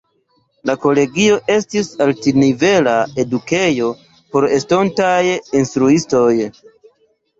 La kolegio estis altnivela edukejo por estontaj instruistoj.